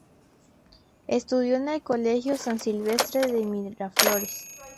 Estudió en el Colegio San Silvestre de Miraflores.